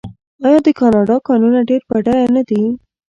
آیا د کاناډا کانونه ډیر بډایه نه دي؟